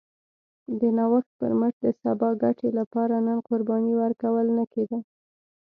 د نوښت پر مټ د سبا ګټې لپاره نن قرباني ورکول نه کېده